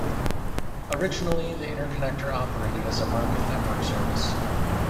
Originally, the interconnector operated as a market network service.